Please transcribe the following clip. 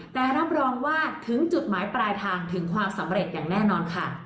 แต่รับรองว่าถึงจุดหมายปลายทางถึงความสำเร็จอย่างแน่นอนค่ะ